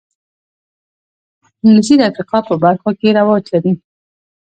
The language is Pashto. انګلیسي د افریقا په برخو کې رواج لري